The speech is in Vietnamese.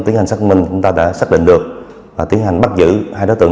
đến các tài khoản của các đối tượng